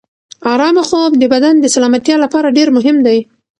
ارامه خوب د بدن د سلامتیا لپاره ډېر مهم دی.